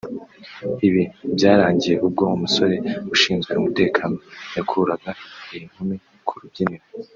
Ibi byarangiye ubwo umusore ushinzwe umutekano yakuraga iyi nkumi ku rubyiniro